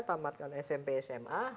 tamatkan smp sma